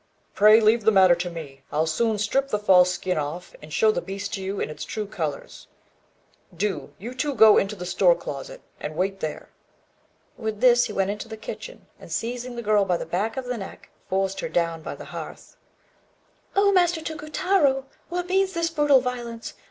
"Pray leave the matter to me: I'll soon strip the false skin off, and show the beast to you in its true colours. Do you two go into the store closet, and wait there." With this he went into the kitchen, and, seizing the girl by the back of the neck, forced her down by the hearth. "Oh! Master Tokutarô, what means this brutal violence?